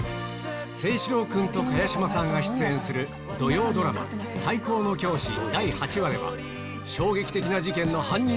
清史郎君と茅島さんが出演する土曜ドラマ『最高の教師』第８話では衝撃的な事件の犯人